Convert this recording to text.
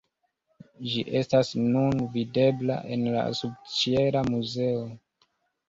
Ĝi estas nun videbla en la subĉiela muzeo.